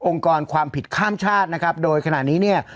กรความผิดข้ามชาตินะครับโดยขณะนี้เนี่ย